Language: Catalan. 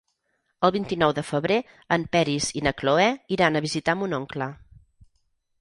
El vint-i-nou de febrer en Peris i na Cloè iran a visitar mon oncle.